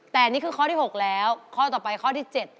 แต่นี่คือข้อที่๖แล้วข้อต่อไปข้อที่๗